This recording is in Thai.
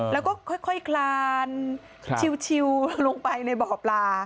แล้วก็ค่อยคลานชิวลงไปในบ่อปลา